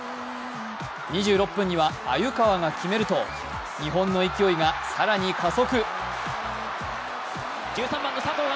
２６分には鮎川が決めると日本の勢いが更に加速。